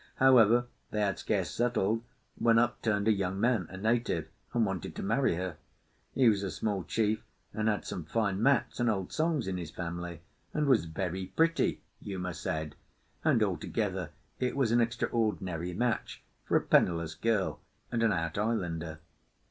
However, they had scarce settled, when up turned a young man, a native, and wanted to marry her. He was a small chief, and had some fine mats and old songs in his family, and was "very pretty," Uma said; and, altogether, it was an extraordinary match for a penniless girl and an out islander.